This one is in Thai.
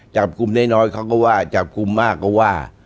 จับกลุ่มได้น้อยเขาก็ว่าจับกลุ่มมากก็ว่า